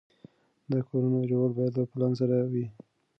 د کورونو جوړول باید له پلان سره وي.